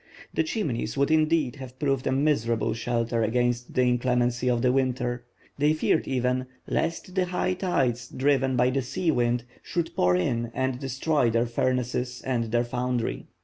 The Chimneys would indeed have proved a miserable shelter against the inclemency of the winter; they feared even lest the high tides driven by the sea wind should pour in and destroy their furnaces and their foundry.